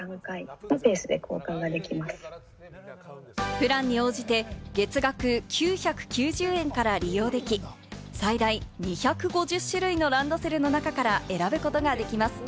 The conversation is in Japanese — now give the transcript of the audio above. プランに応じて、月額９９０円から利用でき、最大２５０種類のランドセルの中から選ぶことができます。